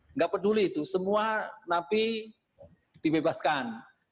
enggak peduli itu semua nafi dibebaskan